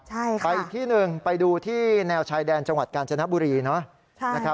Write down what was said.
ใช่ค่ะไปที่๑ไปดูที่แนวชายแดนจังหวัดกาญจนบุรีน่ะ